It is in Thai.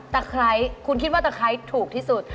ไคร้คุณคิดว่าตะไคร้ถูกที่สุด